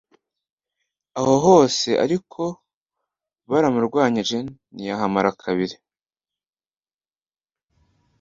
Aho hose ariko baramurwanyije ntiyahamara kabiri.